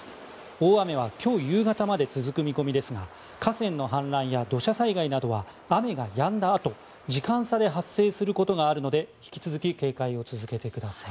大雨は今日夕方まで続く見込みですが河川の氾濫や土砂災害などは雨がやんだあと、時間差で発生することがあるので引き続き警戒を続けてください。